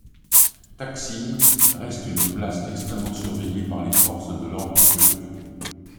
Taksim reste une place extrêmement surveillée par les forces de l'ordre turques.